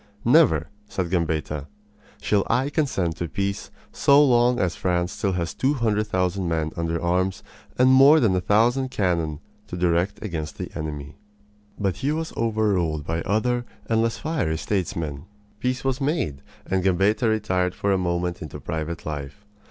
"Never," said Gambetta, "shall I consent to peace so long as France still has two hundred thousand men under arms and more than a thousand cannon to direct against the enemy!" But he was overruled by other and less fiery statesmen. Peace was made, and Gambetta retired for a moment into private life.